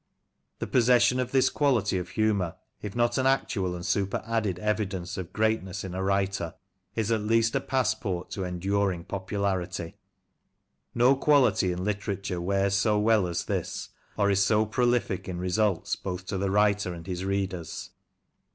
The possession of this quality of humour, if not an actual and superadded evidence of greatness in a writer, is at least a passport to enduring popularity. No quality in literature wears so well as this, or is so prolific in results both to the writer and his readers.